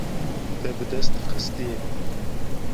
Te bi dest xistiye.